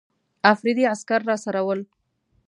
افریدي عسکر راسره ول.